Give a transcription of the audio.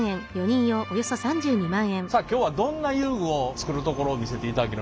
さあ今日はどんな遊具を作るところを見せていただけるんでしょうか？